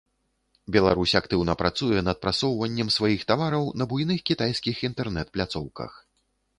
Беларусь актыўна працуе над прасоўваннем сваіх тавараў на буйных кітайскіх інтэрнэт-пляцоўках.